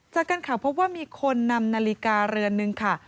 จากการข่าวพบว่ามีคนนำนาฬิกาเรือนนึงค่ะ